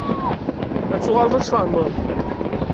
Ad tuɣaleḍ ad tfehmeḍ.